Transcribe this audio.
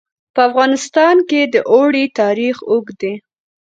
په افغانستان کې د اوړي تاریخ اوږد دی.